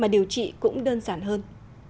mà điều trị cũng đơn giản